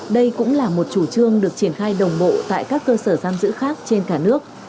đây cũng là một chủ trương được triển khai đồng bộ tại các cơ sở giam giữ khác trên cả nước